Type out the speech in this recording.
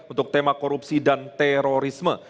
untuk tema korupsi dan terorisme